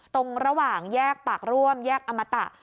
ตรงระหว่างแยกปากร่วมแยกอมตะ